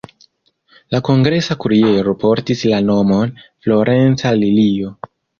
La kongresa kuriero portis la nomon "Florenca Lilio".